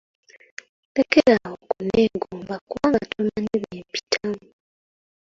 Lekera awo okunneegomba kubanga tomanyi bye mpitamu.